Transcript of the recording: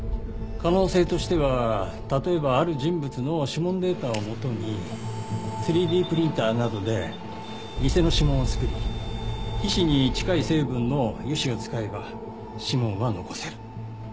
可能性としては例えばある人物の指紋データを元に３Ｄプリンターなどで偽の指紋を作り皮脂に近い成分の油脂を使えば指紋は残せる。